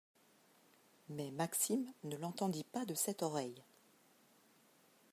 Mais Maxime ne l’entendit pas de cette oreille.